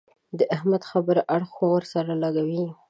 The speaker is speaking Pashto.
د احمد خبره اړخ ور سره لګوي.